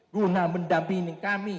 guna mendampingi kami